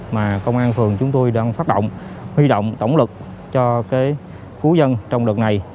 mà công an phường chúng tôi đang phát động huy động tổng lực cho phú dân trong đợt này